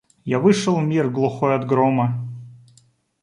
Я вышел в мир глухой от грома.